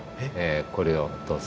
これをどうぞ。